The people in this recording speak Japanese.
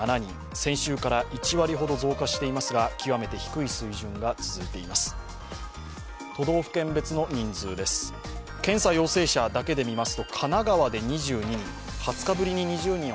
先週から１割ほど増加していますが、極めて低い水準が続いています。